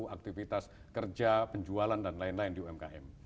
aktivitas kerja penjualan dan lain lain di umkm